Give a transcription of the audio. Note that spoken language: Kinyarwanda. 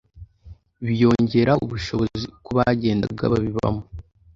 biyongera ubushobozi uko bagendaga babibamo